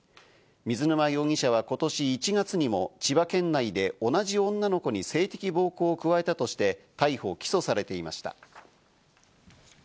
水沼容疑者は今年１月にも千葉県内で同じ女の子に性的暴行を加えたとして逮捕・起訴されていました。